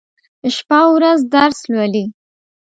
شپه او ورځ درس لولي.